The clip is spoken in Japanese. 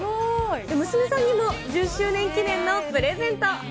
娘さんにも１０周年記念のプレゼント。